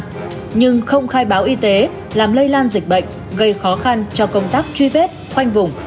án hành vi khai báo y tế làm lây lan dịch bệnh gây khó khăn cho công tác truy vết khoanh vùng